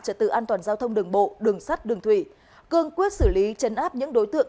trật tự an toàn giao thông đường bộ đường sắt đường thủy cương quyết xử lý chấn áp những đối tượng